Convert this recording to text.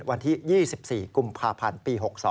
วันที่๒๔กุมภาพันธ์ปี๖๒